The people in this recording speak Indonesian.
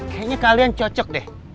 kayaknya kalian cocok deh